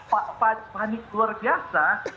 pak panik keluarga